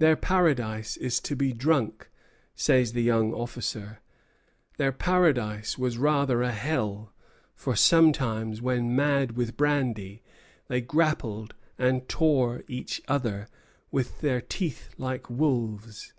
"Their paradise is to be drunk," says the young officer. Their paradise was rather a hell; for sometimes, when mad with brandy, they grappled and tore each other with their teeth like wolves.